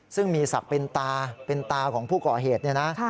ซึ่งมีศักดิ์เป็นตาเป็นตาของผู้ก่อเหตุเนี่ยนะ